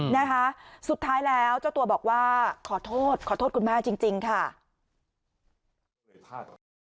นะคะสุดท้ายแล้วเจ้าตัวบอกว่าขอโทษขอโทษคุณแม่จริงค่ะ